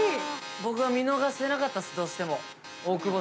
僕は見逃せなかったですどうしても。